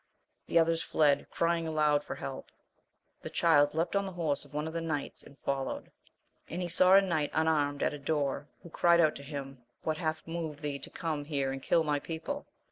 The others fled, crying aloud for help, the Child leapt on the horse of one of the knights and followed, and he saw a knight unarmed at a door who cried out to him what hath moved thee to come here and kill my people